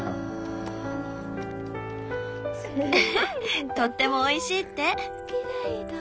ウフフとってもおいしいって。